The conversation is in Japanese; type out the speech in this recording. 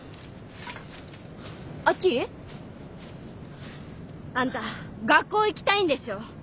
亜紀？あんた学校行きたいんでしょ？